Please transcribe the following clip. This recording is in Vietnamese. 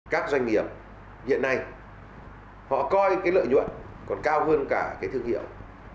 các doanh nghiệp hiện nay họ coi cái lợi nhuận còn cao hơn cả cái thương hiệu